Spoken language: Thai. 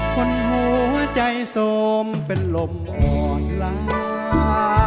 คนหัวใจโสมเป็นลมอ่อนล้า